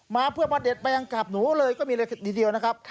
มาเพื่อมาเด็ดใบอังกราบหนูเลยก็มีเลยทีเดียวนะครับ